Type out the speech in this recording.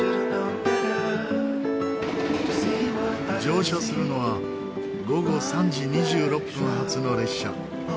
乗車するのは午後３時２６分発の列車。